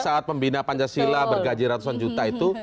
saat pembina pancasila bergaji ratusan juta itu